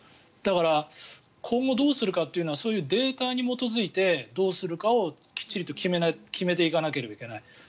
だから、今後どうするかはそういうデータに基づいてどうするかをきっちりと決めていかなければいけない。